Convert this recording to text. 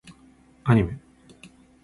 アニメ